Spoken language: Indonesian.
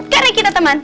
karena kita teman